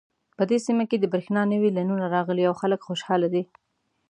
په دې سیمه کې د بریښنا نوې لینونه راغلي او خلک خوشحاله دي